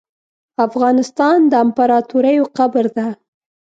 افغانستان د امپراتوریو قبر ده .